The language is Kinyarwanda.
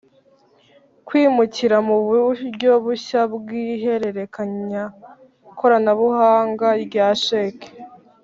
Kwimukira mu buryo bushya bw ihererekanyakoranabuhanga rya sheki